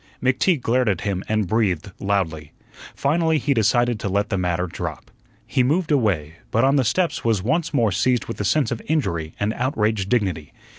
McTeague glared at him and breathed loudly. Finally he decided to let the matter drop. He moved away, but on the steps was once more seized with a sense of injury and outraged dignity.